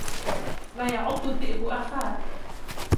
لا يعض الذئب أخاه.